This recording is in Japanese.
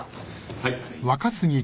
はい。